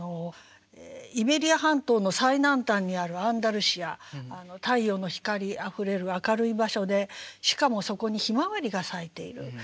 イベリア半島の最南端にあるアンダルシア太陽の光あふれる明るい場所でしかもそこにひまわりが咲いている。